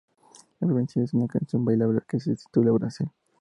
El primer sencillo es una canción bailable que se titula Brasil.